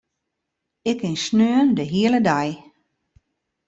Ik kin saterdei de hiele dei.